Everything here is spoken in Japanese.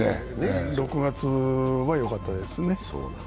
６月はよかったですね。